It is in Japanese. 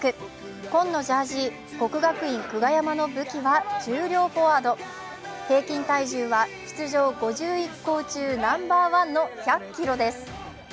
紺のジャージ、国学院久我山の武器は重量フォワード、平均体重は出場５１校中ナンバーワンの１００ｋｇです。